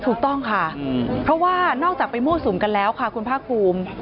ถูกต้องค่ะเพราะว่านอกจากไปมั่วสูงกันแล้วคุณพระคุม